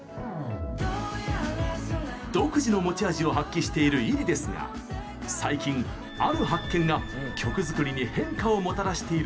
独自の持ち味を発揮しているｉｒｉですが最近、ある発見が曲作りに変化をもたらしているそうです。